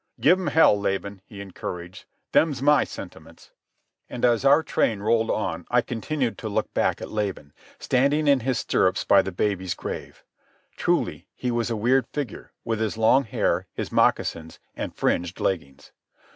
"Give 'm hell, Laban," he encouraged. "Them's my sentiments." And as our train rolled on I continued to look back at Laban, standing in his stirrups by the baby's grave. Truly he was a weird figure, with his long hair, his moccasins, and fringed leggings.